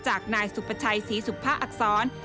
จากนายสุประชัยศรีสุภาอักษร